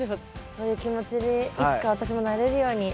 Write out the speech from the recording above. そういう気持ちにいつか私もなれるように。